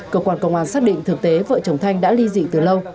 cơ quan công an xác định thực tế vợ chồng thanh đã ly dị từ lâu